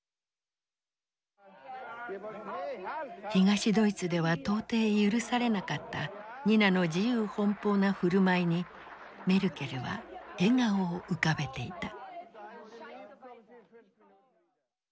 東ドイツでは到底許されなかったニナの自由奔放な振る舞いにメルケルは笑顔を浮かべていた。